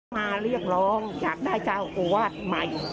มาเรียกร้องอยากได้เจ้าอาวาสใหม่